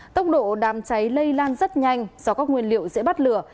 tốc độ đám cháy lây lan rất nhanh do các nguyên liệu dễ bắt lửa